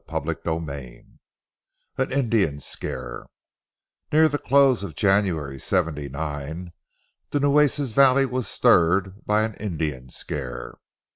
CHAPTER XVIII AN INDIAN SCARE Near the close of January, '79, the Nueces valley was stirred by an Indian scare.